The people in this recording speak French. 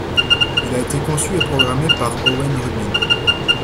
Il a été conçu et programmé par Owen Rubin.